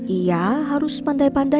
ia harus pandai pandai